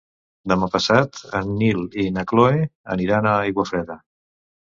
Demà passat en Nil i na Cloè aniran a Aiguafreda.